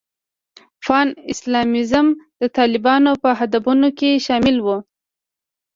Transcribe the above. پان اسلامیزم د طالبانو په هدفونو کې شامل و.